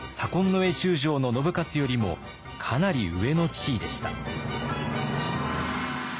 衛中将の信雄よりもかなり上の地位でした。